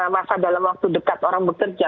masa dalam waktu dekat orang bekerja